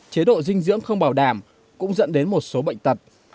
chế độ dinh dưỡng không bảo đảm cũng dẫn đến một số bệnh tật